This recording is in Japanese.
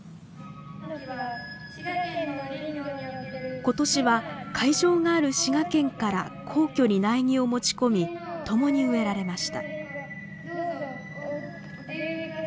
ことしは会場がある滋賀県から皇居に苗木を持ち込みともに植えられました。